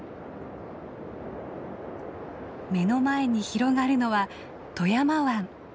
目の前に広がるのは富山湾。